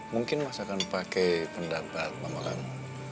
mungkin mas akan pakai pendapat mama kamu